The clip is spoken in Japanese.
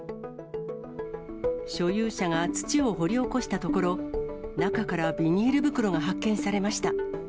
所有者が土を掘り起こしたところ、中からビニール袋が発見されました。